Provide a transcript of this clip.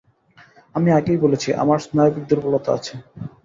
আমি আগেই বলেছি আমার স্নায়বিক দুর্বলতা আছে।